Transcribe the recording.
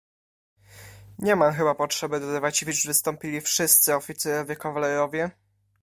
"Nie mam chyba potrzeby dodawać, iż wystąpili wszyscy oficerowie kawalerowie."